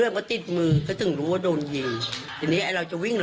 วันนี้มีความจำสัมภัศจริง